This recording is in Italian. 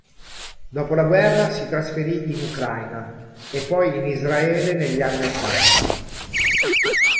Dopo la guerra, si trasferì in Ucraina e poi in Israele negli anni ottanta.